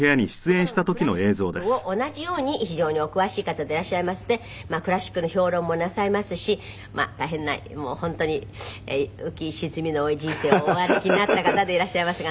ところがクラシックを同じように非常にお詳しい方でいらっしゃいましてクラシックの評論もなさいますし大変な本当に浮き沈みの多い人生をお歩きになった方でいらっしゃいますが。